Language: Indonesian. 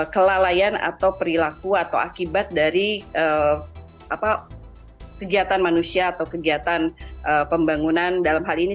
kelalaian atau perilaku atau akibat dari kegiatan manusia atau kegiatan pembangunan dalam hal ini